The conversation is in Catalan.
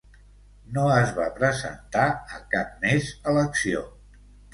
No es va presentar a cap més elecció.